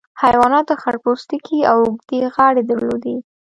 حیواناتو خړ پوستکي او اوږدې غاړې درلودې.